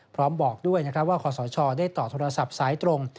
พร้อมบอกด้วยว่าคศได้ต่อโทรศัพท์สายตรง